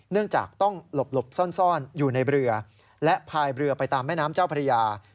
เนื่องจากต้องหลบซ่อนอยู่ในเรือและพายเรือไปตามแม่น้ำเจ้าพระยา